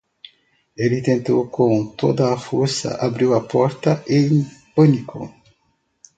Ele tentou com toda a força abrir a porta em pânico.